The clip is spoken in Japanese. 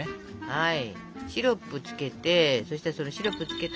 はい！